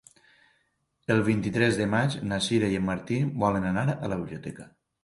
El vint-i-tres de maig na Sira i en Martí volen anar a la biblioteca.